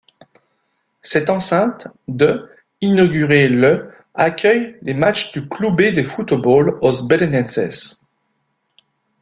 Cette enceinte de inaugurée le accueille les matchs du Clube de Futebol Os Belenenses.